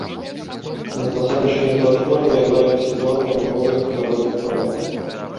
Над пасадачнай платформай маюцца два мармуровыя каляровыя пано.